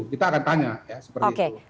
kita akan tanya ya seperti itu